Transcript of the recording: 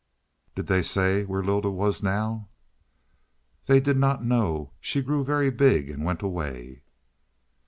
"Did they say where Lylda was now?" "They did not know. She grew very big and went away."